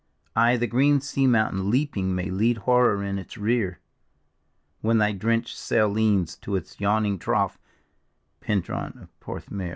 " Ay, the green sea mountain leaping may lead horror in its rear, When thy drenched sail leans to its yawning trough, Pcn truan of Porthmeor!